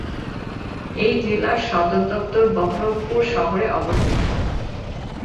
এই জেলার সদর দপ্তর বহরমপুর শহরে অবস্থিত।